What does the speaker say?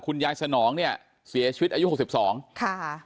คุณยายสนองั้นเนี่ยเสียชีวิตไอ้๖๒